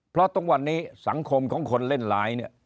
เพราะตอนวันนี้สังคมของคนเล่นไลน์